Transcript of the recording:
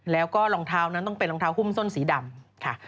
แล้วก็รองเท้านั้นต้องเป็นรองเท้าหุ้มส้นสีดำค่ะ